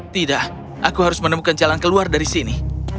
tidak aku harus menemukan jalan keluar dari sini